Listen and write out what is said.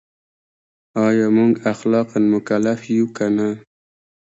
ایا موږ اخلاقاً مکلف یو که نه؟